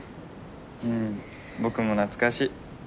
うん僕も懐かしい。